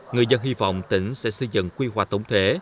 người dân hy vọng tỉnh sẽ xây dựng quy hoạch tổng thể